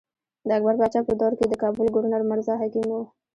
د اکبر باچا په دور کښې د کابل ګورنر مرزا حکيم وو۔